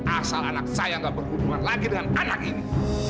asal anak saya gak berhubungan lagi dengan anak ini